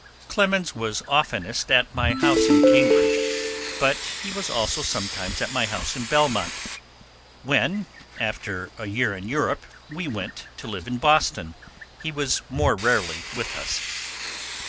Clemens was oftenest at my house in Cambridge, but he was also sometimes at my house in Belmont; when, after a year in Europe, we went to live in Boston, he was more rarely with us.